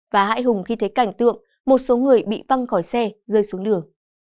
và hãy hùng khi thấy cảnh tượng một số người bị văng khỏi xe rơi xuống đường